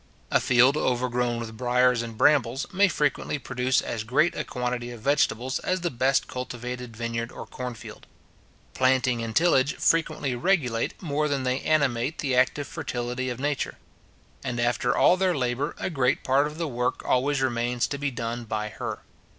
A field overgrown with briars and brambles, may frequently produce as great a quantity of vegetables as the best cultivated vineyard or corn field. Planting and tillage frequently regulate more than they animate the active fertility of Nature; and after all their labour, a great part of the work always remains to be done by her.